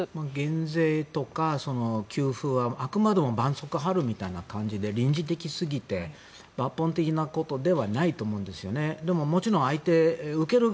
減税とか給付はあくまでもばんそうこうを貼るみたいな感じで臨時的すぎて抜本的なことではないと思うんですよね。